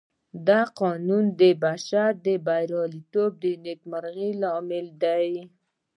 دا قانون د بشر د برياليتوب او نېکمرغۍ لامل دی.